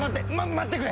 待ってくれ！